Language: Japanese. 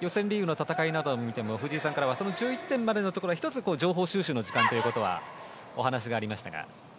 予選リーグの戦いなどを見ても藤井さんからはその１１点までのところが１つ、情報収集の時間ということはお話がありましたが。